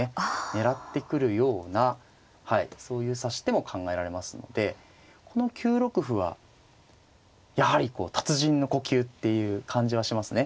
狙ってくるようなはいそういう指し手も考えられますのでこの９六歩はやはりこう達人の呼吸っていう感じはしますね。